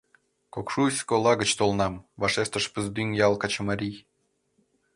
— Кокшуйск ола гыч толынам, — вашештыш Пыздӱҥ ял качымарий.